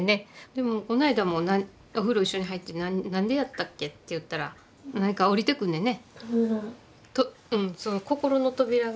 でもこの間もお風呂一緒に入って「何でやったっけ？」って言ったら何か降りてくんねんね。